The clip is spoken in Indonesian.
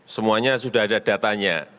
semuanya sudah ada datanya